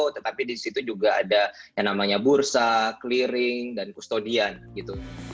tetapi di situ juga ada yang namanya bursa clearing dan kustodian gitu